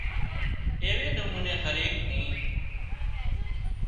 ايوي نموني هري ايڪ نِي